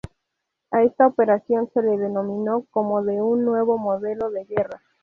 A esta operación se le denominó como de un "Nuevo Modelo de Guerra".